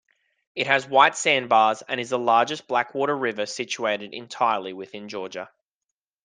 It has white sandbars and is the largest blackwater river situated entirely within Georgia.